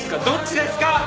どっちですか？